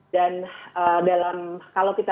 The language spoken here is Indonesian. dan dalam kalau kita